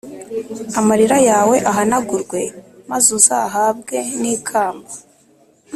Amarira yawe ahanagurwe maz’ uzahabwe n ‘ikamba